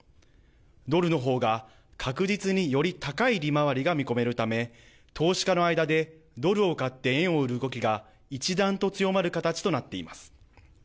ドルのほうが確実により高い利回りが見込めるため投資家の間でドルを買って円を売る動きが一段と強まる形となっています。